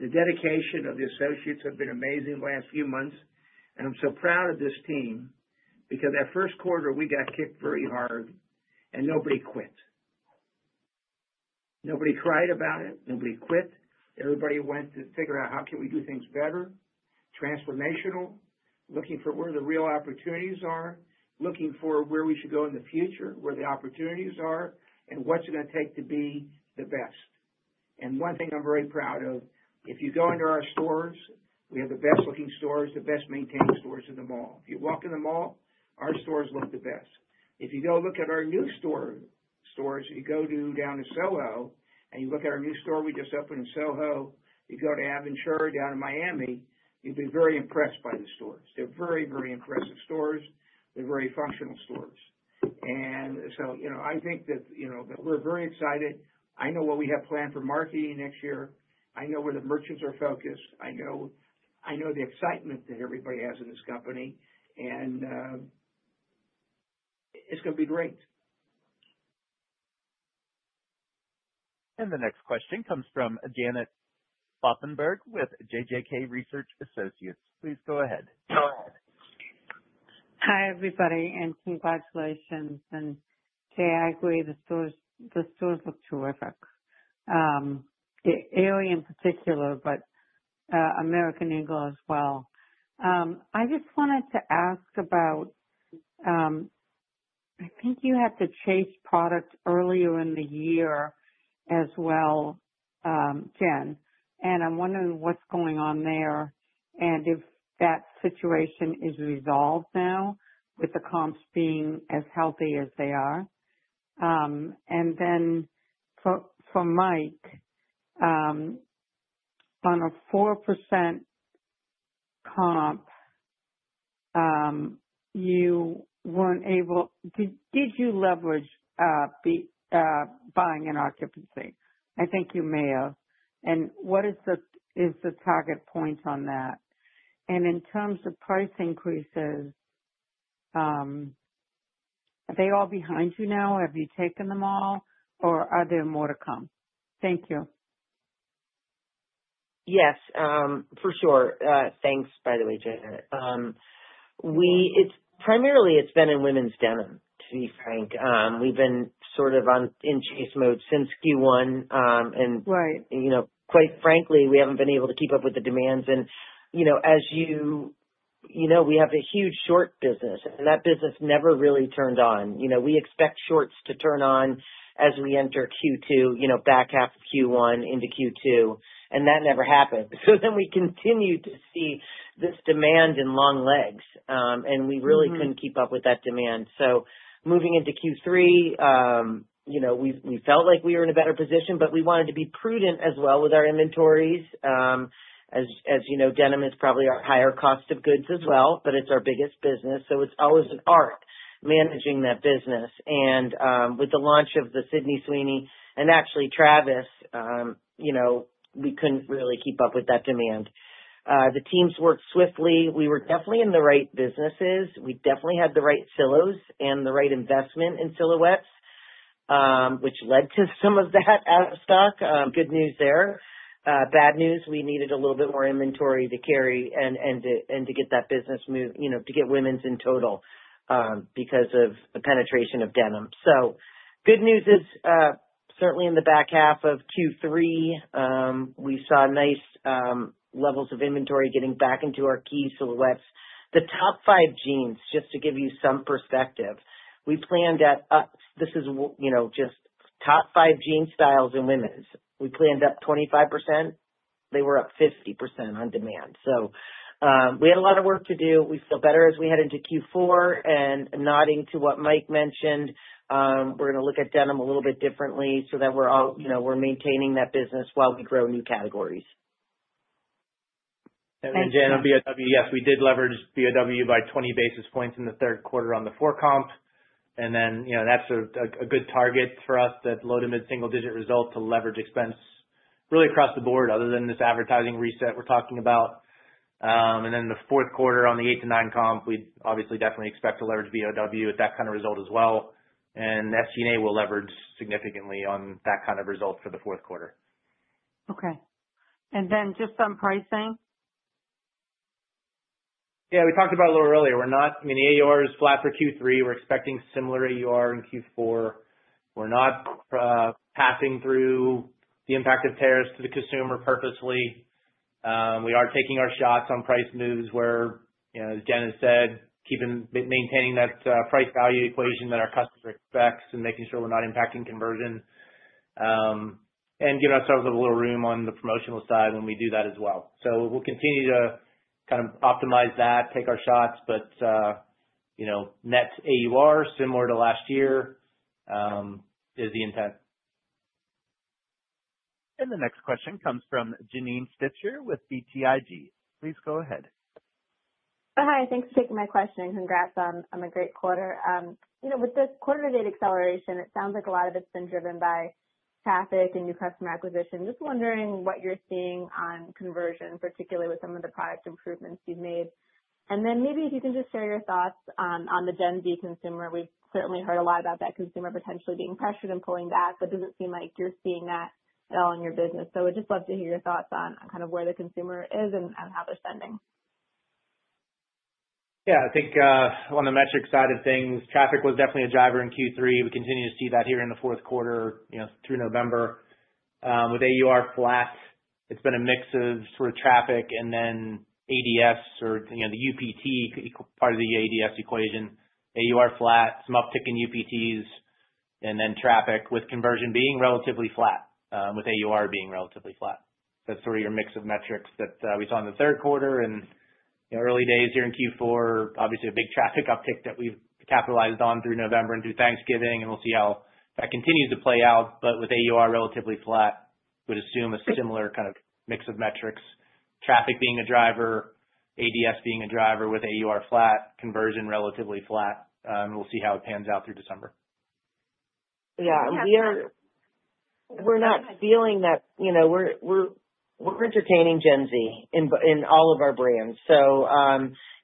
The dedication of the associates has been amazing the last few months, and I'm so proud of this team because that first quarter, we got kicked very hard, and nobody quit. Nobody cried about it. Nobody quit. Everybody went to figure out how can we do things better, transformational, looking for where the real opportunities are, looking for where we should go in the future, where the opportunities are, and what's it going to take to be the best. And one thing I'm very proud of, if you go into our stores, we have the best-looking stores, the best-maintained stores in the mall. If you walk in the mall, our stores look the best. If you go look at our new stores, if you go down to SoHo and you look at our new store we just opened in SoHo. You go to Aventura down in Miami, you'll be very impressed by the stores. They're very, very impressive stores. They're very functional stores. And so I think that we're very excited. I know what we have planned for marketing next year. I know where the merchants are focused. I know the excitement that everybody has in this company, and it's going to be great. The next question comes from Janet Kloppenburg with JJK Research Associates. Please go ahead. Hi, everybody, and congratulations. And Jay, I agree. The stores look terrific. Aerie, in particular, but American Eagle as well. I just wanted to ask about. I think you had to chase product earlier in the year as well, Jen, and I'm wondering what's going on there and if that situation is resolved now with the comps being as healthy as they are. And then for Mike, on a 4% comp, you weren't able. Did you leverage buying and occupancy? I think you may have. And what is the target point on that? And in terms of price increases, are they all behind you now? Have you taken them all, or are there more to come? Thank you. Yes, for sure. Thanks, by the way, Janet. Primarily, it's been in women's denim, to be frank. We've been sort of in chase mode since Q1, and quite frankly, we haven't been able to keep up with the demands, and as you know, we have a huge shorts business, and that business never really turned on. We expect shorts to turn on as we enter Q2, back half of Q1 into Q2, and that never happened, so then we continued to see this demand in long legs, and we really couldn't keep up with that demand, so moving into Q3, we felt like we were in a better position, but we wanted to be prudent as well with our inventories. As you know, denim is probably our higher cost of goods as well, but it's our biggest business, so it's always an art managing that business. With the launch of the Sydney Sweeney and actually Travis, we couldn't really keep up with that demand. The teams worked swiftly. We were definitely in the right businesses. We definitely had the right silos and the right investment in silhouettes, which led to some of that out of stock. Good news there. Bad news, we needed a little bit more inventory to carry and to get that business moved, to get women's in total because of the penetration of denim. So good news is certainly in the back half of Q3, we saw nice levels of inventory getting back into our key silhouettes. The top five jeans, just to give you some perspective, we planned at, this is just top five jean styles in women's. We planned up 25%. They were up 50% on demand. So we had a lot of work to do. We feel better as we head into Q4 and nodding to what Mike mentioned, we're going to look at denim a little bit differently so that we're maintaining that business while we grow new categories. Janet, on BOW, yes, we did leverage BOW by 20 basis points in the third quarter on the four comp. Then that's a good target for us, that low to mid-single-digit result to leverage expense really across the board other than this advertising reset we're talking about. The fourth quarter on the eight to nine comp, we obviously definitely expect to leverage BOW with that kind of result as well. SG&A will leverage significantly on that kind of result for the fourth quarter. Okay. And then just on pricing? Yeah. We talked about it a little earlier. I mean, the AUR is flat for Q3. We're expecting similar AUR in Q4. We're not passing through the impact of tariffs to the consumer purposely. We are taking our shots on price moves where, as Jen has said, maintaining that price value equation that our customer expects and making sure we're not impacting conversion and giving ourselves a little room on the promotional side when we do that as well. So we'll continue to kind of optimize that, take our shots, but net AUR similar to last year is the intent. The next question comes from Janine Stichter with BTIG. Please go ahead. Hi. Thanks for taking my question. Congrats on a great quarter. With this quarter-to-date acceleration, it sounds like a lot of it's been driven by traffic and new customer acquisition. Just wondering what you're seeing on conversion, particularly with some of the product improvements you've made. And then maybe if you can just share your thoughts on the Gen Z consumer. We've certainly heard a lot about that consumer potentially being pressured and pulling back, but it doesn't seem like you're seeing that at all in your business. So we'd just love to hear your thoughts on kind of where the consumer is and how they're spending. Yeah. I think on the metric side of things, traffic was definitely a driver in Q3. We continue to see that here in the fourth quarter through November. With AUR flat, it's been a mix of sort of traffic and then ADS or the UPT, part of the ADS equation. AUR flat, some uptick in UPTs, and then traffic with conversion being relatively flat, with AUR being relatively flat. That's sort of your mix of metrics that we saw in the third quarter and early days here in Q4. Obviously, a big traffic uptick that we've capitalized on through November and through Thanksgiving, and we'll see how that continues to play out. But with AUR relatively flat, we'd assume a similar kind of mix of metrics, traffic being a driver, ADS being a driver with AUR flat, conversion relatively flat. We'll see how it pans out through December. Yeah. We're not feeling that. We're entertaining Gen Z in all of our brands. So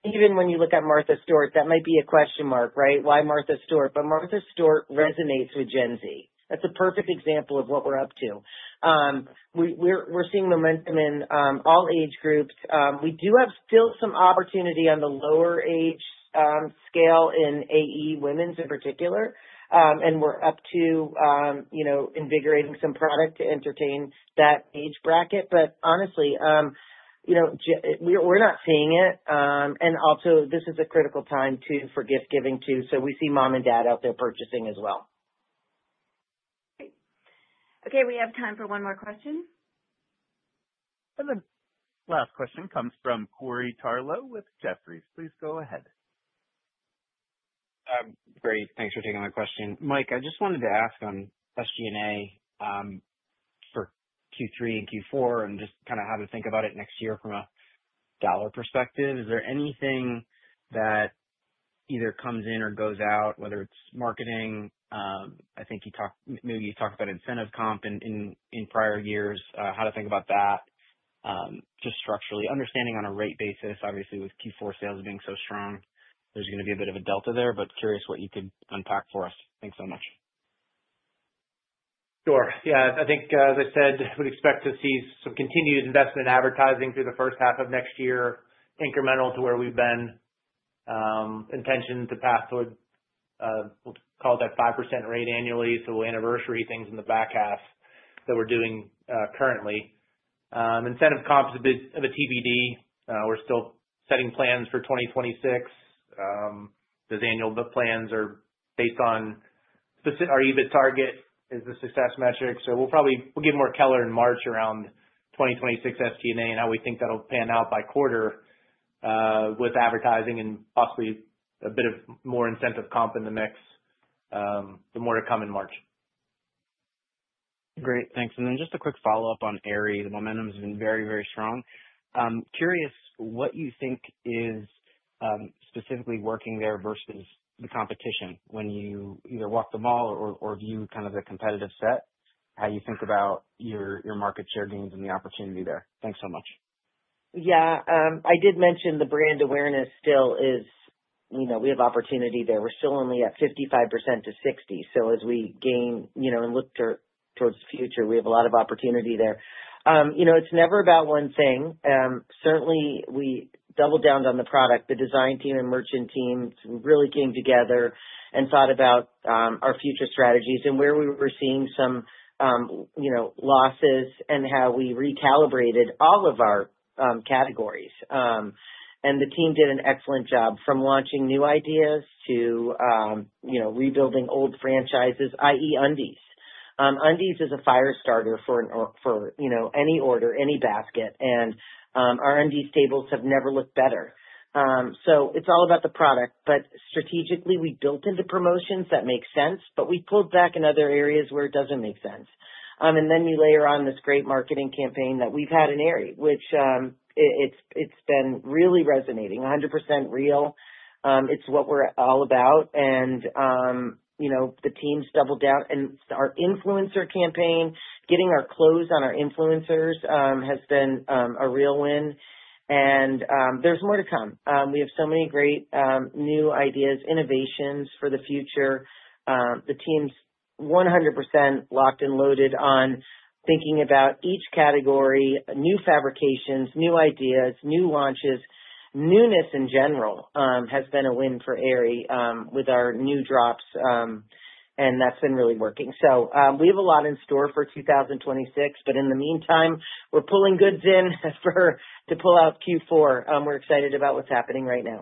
even when you look at Martha Stewart, that might be a question mark, right? Why Martha Stewart? But Martha Stewart resonates with Gen Z. That's a perfect example of what we're up to. We're seeing momentum in all age groups. We do have still some opportunity on the lower age scale in AE, women's in particular, and we're up to invigorating some product to entertain that age bracket. But honestly, we're not seeing it. And also, this is a critical time too for gift-giving too. So we see mom and dad out there purchasing as well. Okay. We have time for one more question. And then the last question comes from Corey Tarlowe with Jefferies. Please go ahead. Great. Thanks for taking my question. Mike, I just wanted to ask on SG&A for Q3 and Q4 and just kind of how to think about it next year from a dollar perspective. Is there anything that either comes in or goes out, whether it's marketing? I think maybe you talked about incentive comp in prior years. How to think about that just structurally? Understanding on a rate basis, obviously, with Q4 sales being so strong, there's going to be a bit of a delta there, but curious what you could unpack for us. Thanks so much. Sure. Yeah. I think, as I said, we'd expect to see some continued investment in advertising through the first half of next year, incremental to where we've been. Intention to pace toward, we'll call it that 5% rate annually. So we'll anniversary things in the back half that we're doing currently. Incentive comp is a bit of a TBD. We're still setting plans for 2026. Those annual plans are based on our EBIT target is the success metric. So we'll give more color in March around 2026 SG&A and how we think that'll pan out by quarter with advertising and possibly a bit more incentive comp in the mix, there's more to come in March. Great. Thanks. And then just a quick follow-up on Aerie. The momentum has been very, very strong. Curious what you think is specifically working there versus the competition when you either walk the mall or view kind of the competitive set, how you think about your market share gains and the opportunity there? Thanks so much. Yeah. I did mention the brand awareness still is we have opportunity there. We're still only at 55%-60%. So as we gain and look towards the future, we have a lot of opportunity there. It's never about one thing. Certainly, we doubled down on the product. The design team and merchant team, we really came together and thought about our future strategies and where we were seeing some losses and how we recalibrated all of our categories. And the team did an excellent job from launching new ideas to rebuilding old franchises, i.e., undies. Undies is a fire starter for any order, any basket. And our undies tables have never looked better. So it's all about the product. But strategically, we built into promotions that make sense, but we pulled back in other areas where it doesn't make sense. And then you layer on this great marketing campaign that we've had in Aerie, which it's been really resonating, 100% Real. It's what we're all about. And the teams doubled down. And our influencer campaign, getting our clothes on our influencers has been a real win. And there's more to come. We have so many great new ideas, innovations for the future. The team's 100% locked and loaded on thinking about each category, new fabrications, new ideas, new launches. Newness in general has been a win for Aerie with our new drops, and that's been really working. So we have a lot in store for 2026, but in the meantime, we're pulling goods in to pull out Q4. We're excited about what's happening right now.